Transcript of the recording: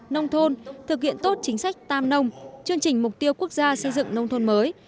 nông thôn thực hiện tốt chính sách tam nông chương trình mục tiêu quốc gia xây dựng nông thôn mới